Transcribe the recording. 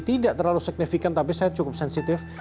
tidak terlalu signifikan tapi saya cukup sensitif